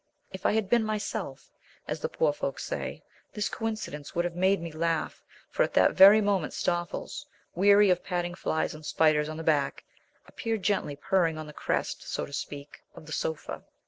If I had been "myself," as the poor folk say, this coincidence would have made me laugh, for at that very moment Stoffles, weary of patting flies and spiders on the back, appeared gently purring on the crest, so to speak, of the sofa.